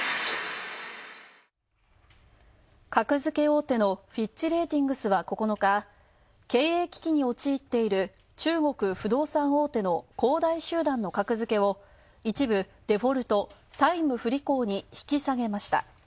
格付け大手のフィッチ・レーティングスは９日、経営危機に陥っている中国不動産大手の恒大集団の格付けを一部デフォルト＝債務不履行に引き下げました。